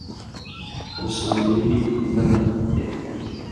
اصولی بناں تھہ چے